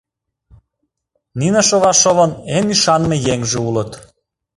Нине Шовашовын эн ӱшаныме еҥже улыт.